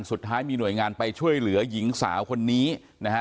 สุดท้ายมีหน่วยงานไปช่วยเหลือหญิงสาวคนนี้นะฮะ